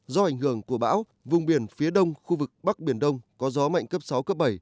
do ảnh hưởng của bão vùng biển phía đông khu vực bắc biển đông có gió mạnh cấp sáu cấp bảy